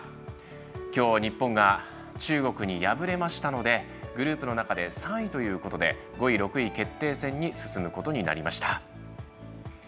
今日、日本が中国に敗れましたのでグループの中で３位ということで５位６位決定戦に進むことになりました。